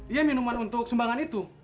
iya minuman untuk sumbangan itu